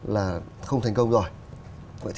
là không thành công rồi